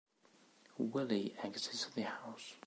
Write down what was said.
Willy exits the house.